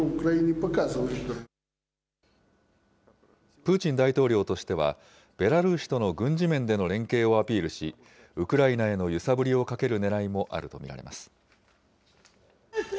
プーチン大統領としては、ベラルーシとの軍事面での連携をアピールし、ウクライナへの揺さぶりをかけるねらいもあると見られます。